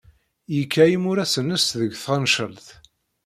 Yekka imuras-nnes deg Txencelt.